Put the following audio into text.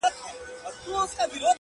چي خداى ئې در کوي، بټل ئې يار دئ.